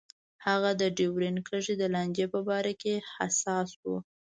هغه د ډیورنډ کرښې د لانجې په باره کې حساس و.